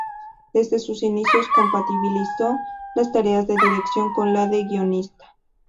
Desde sus inicios compatibilizó las tareas de dirección con la de guionista.